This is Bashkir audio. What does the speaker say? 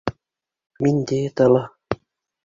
Мин диетала!